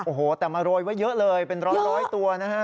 โอ้โหแต่มาโรยไว้เยอะเลยเป็นร้อยตัวนะฮะ